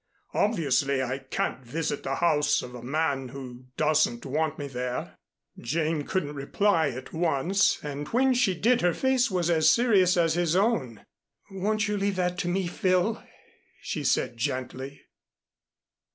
Obviously I can't visit the house of a man who doesn't want me there." Jane couldn't reply at once. And when she did her face was as serious as his own. "Won't you leave that to me, Phil?" she said gently.